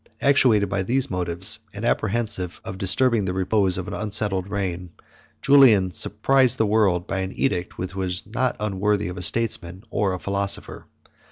Actuated by these motives, and apprehensive of disturbing the repose of an unsettled reign, Julian surprised the world by an edict, which was not unworthy of a statesman, or a philosopher.